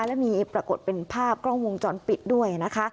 และมีปรากฏเป็นภาพกล้องวงจรปิดด้วยนะคะ